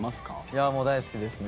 いやあもう大好きですね。